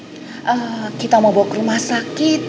kalau kita mau bawa ke rumah sakit